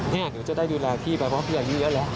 เนี่ยหนูจะได้ดูแลพี่ไปเพราะว่าพี่อายุเยอะแหละ